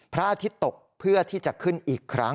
พระอาทิตย์ตกเพื่อที่จะขึ้นอีกครั้ง